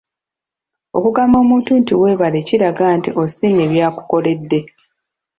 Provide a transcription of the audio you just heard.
Okugamba omuntu nti weebale kiraga nti osiimye bya kukoledde.